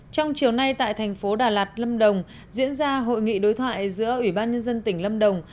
trong chiều nay tại thành phố đà lạt lâm đồng diễn ra hội nghị đối thoại giữa ủy ban nhân dân tỉnh lâm đồng